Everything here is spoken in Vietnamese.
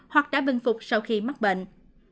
hoặc đã bình phục sau khi mắc bệnh